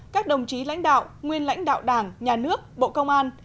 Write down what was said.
các đồng chí lãnh đạo nguyên lãnh đạo đảng nhà nước bộ công an